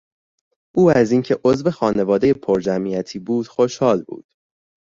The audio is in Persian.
او از این که عضو خانوادهی پر جمعیتی بود خوشحال بود.